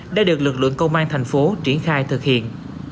đã được lực lượng công an tp hcm triển khai thực hiện